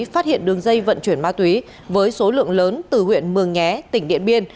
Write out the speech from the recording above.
phát hiện đường dây vận chuyển ma túy với số lượng lớn từ huyện mường nhé tỉnh điện biên